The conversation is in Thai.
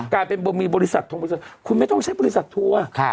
การเป็นมีบริษัทคุณไม่ต้องใช้บริษัททัวร์